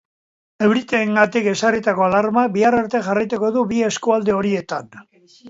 Euriteengatik ezarritako alarmak bihar arte jarraituko du bi eskualde horietan.